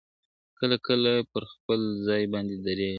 کله کله پر خپل ځای باندي درېږي ,